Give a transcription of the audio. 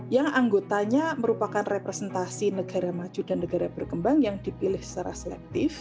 yang anggotanya merupakan representasi negara maju dan negara berkembang yang dipilih secara selektif